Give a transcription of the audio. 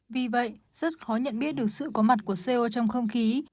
vì vậy rất khó nhận biết được sự có mặt của co trong không khí